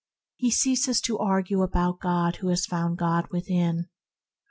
He ceases to argue about God who has found God within.